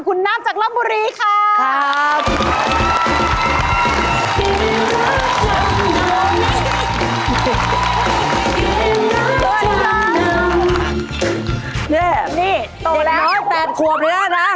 คุณนับจากล้ำบุรีครับเฮ่ยเนี่ยโตแล้วน้อย๘ความเลยนะ